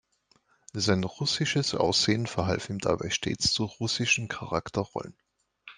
Sein russisches Aussehen verhalf ihm dabei stets zu russischen Charakterrollen.